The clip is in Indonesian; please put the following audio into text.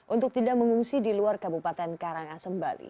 untuk tidak mengungsi di luar kabupaten karangasem bali